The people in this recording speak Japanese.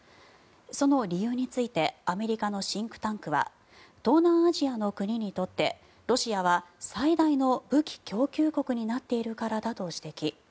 その理由についてアメリカのシンクタンクは東南アジアの国にとってロシアは最大の武器供給国になっているからだと指摘。